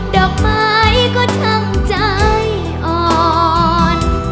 ดอกไม้ก็ทำใจอ่อน